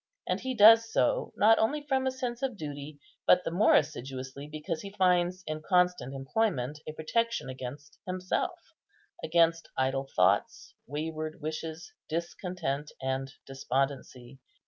And he does so, not only from a sense of duty, but the more assiduously, because he finds in constant employment a protection against himself, against idle thoughts, wayward wishes, discontent, and despondency.